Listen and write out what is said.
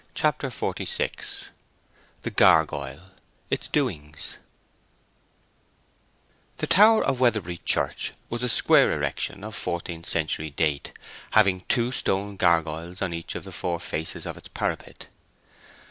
CHAPTER XLVI THE GURGOYLE: ITS DOINGS The tower of Weatherbury Church was a square erection of fourteenth century date, having two stone gurgoyles on each of the four faces of its parapet.